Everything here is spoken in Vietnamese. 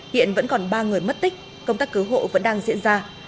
hiện vẫn còn ba người mất tích công tác cứu hộ vẫn đang diễn ra